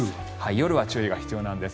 夜は注意が必要です。